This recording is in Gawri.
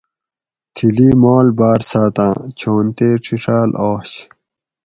تِھلی مال باۤر ساتاں چھون تے ڛِڛال آش